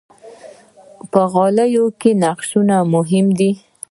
په غالۍ کې نقشه مهمه ده.